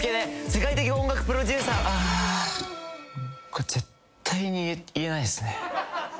これ絶対に言えないですね。